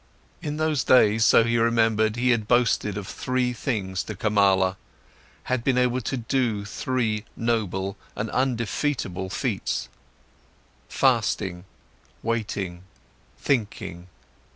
In those days, so he remembered, he had boasted of three things to Kamala, had been able to do three noble and undefeatable feats: fasting—waiting—thinking.